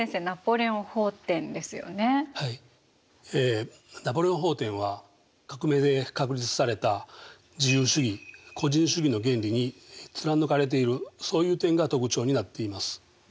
「ナポレオン法典」は革命で確立された自由主義個人主義の原理に貫かれているそういう点が特徴になっています。